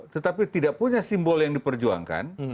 tetapi tidak punya simbol yang diperjuangkan